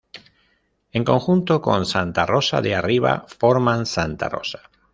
En conjunto con Santa Rosa de Arriba, forman Santa Rosa.